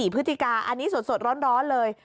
พฤศจิกาอันนี้สดร้อนเลย